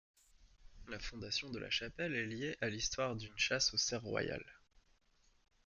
La fondation de la chapelle est liée à l'histoire d'une chasse au cerf royale.